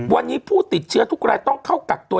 วันนี้ผู้ติดเชื้อทุกรายต้องเข้ากักตัว